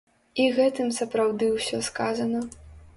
І гэтым сапраўды ўсё сказана.